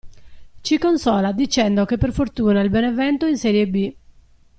Ci consola dicendo che per fortuna il Benevento è in serie B.